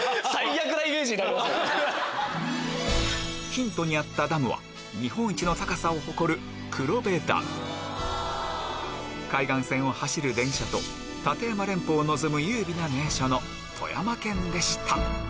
ヒントにあったダムは海岸線を走る電車と立山連峰を望む優美な名所の富山県でした